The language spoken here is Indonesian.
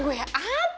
buat ngancurin gue ya